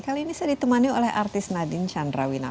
dan kali ini saya ditemani oleh artis nadine candrawina